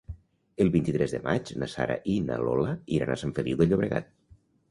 El vint-i-tres de maig na Sara i na Lola iran a Sant Feliu de Llobregat.